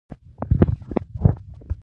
ته لږ صبر وکړه، اوس بوخت يم بيا زنګ درته کوم.